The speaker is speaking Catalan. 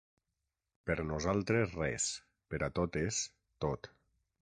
Per nosaltres res, per a totes tot.